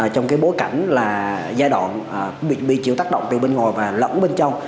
trong cái bối cảnh là giai đoạn bị chịu tác động từ bên ngoài và lẫn bên trong